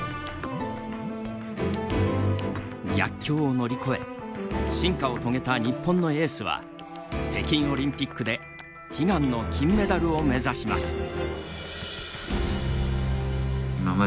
逆境を乗り越え進化を遂げた日本のエースは北京オリンピックで悲願の金メダルを目指します。